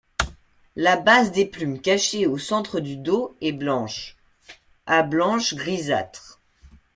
La base des plumes cachées au centre du dos est blanche à blanche grisâtre.